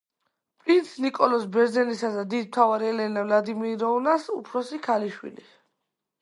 პრინც ნიკოლოზ ბერძენისა და დიდ მთავარ ელენა ვლადიმიროვნას უფროსი ქალიშვილი.